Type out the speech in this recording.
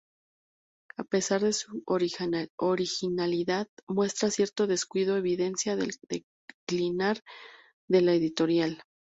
A pesar de su originalidad, muestra cierto descuido, evidencia del declinar de la editorial.